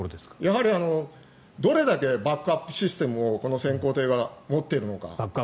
やはりどれだけバックアップシステムをこの潜航艇が持っているのか。